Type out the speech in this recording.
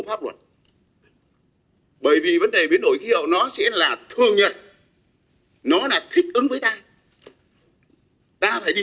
em khuyên quý vị vui vẻ và xin cảm ơn quý vị đã theo dõi và ủng hộ cho kênh của chúng tôi trong video này